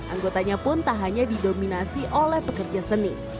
anggotanya pun tak hanya didominasi oleh pekerja seni